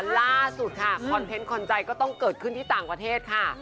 ล่าสุดค่ะคอนเทนต์คอนใจก็ต้องเกิดขึ้นที่ต่างประเทศค่ะ